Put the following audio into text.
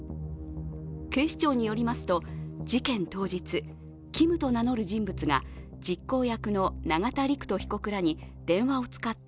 警視庁によりますと、事件当日、Ｋｉｍと名乗る人物が実行役の永田陸人被告らに電話を使って